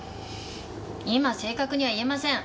今正確には言えません！